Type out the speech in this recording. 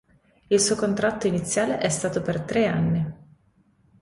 Il suo contratto iniziale è stato per tre anni.